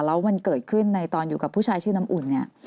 แล้วมันเกิดขึ้นในตอนอยู่กับผู้ชายชื่อน้ำอุ่นเนี่ย